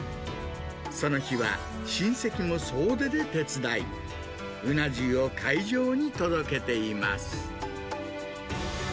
その日は、親戚も総出で手伝い、うな重を会場に届けています。